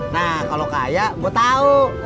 nah kalau kaya gue tahu